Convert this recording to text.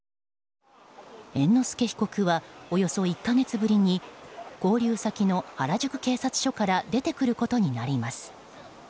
猿之助被告はおよそ１か月ぶりに勾留先の原宿警察署から出てくることになります。